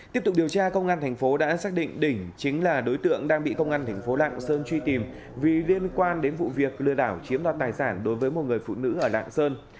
tiếp tục điều tra công an thành phố đã xác định đỉnh chính là đối tượng đang bị công an thành phố lạng sơn truy tìm vì liên quan đến vụ việc lừa đảo chiếm đoạt tài sản đối với một người phụ nữ ở lạng sơn